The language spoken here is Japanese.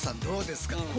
どうですか？